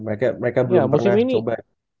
mereka belum pernah coba